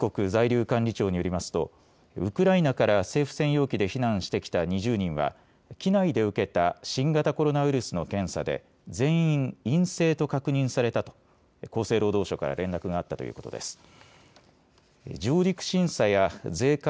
出入国在留管理庁によりますとウクライナから政府専用機で避難してきた２０人は機内で受けた新型コロナウイルスの検査で全員、陰性と確認されたと厚生労働省から連絡があったということです。